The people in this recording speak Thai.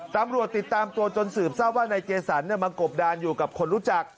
ตำรวจติดตามตัวจนสืบทราบว่านายเจสันมากบดานอยู่กับคนรู้จัก